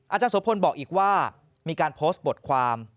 อาจารย์สวพลบอกอีกว่ามีการโพสต์บทความ